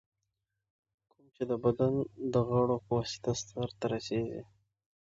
کوم چي د بدن د غړو په واسطه سرته رسېږي.